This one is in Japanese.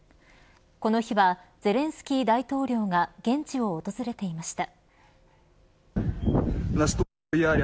この日はゼレンスキー大統領が現地を訪れていました。